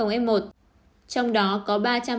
f một trong đó có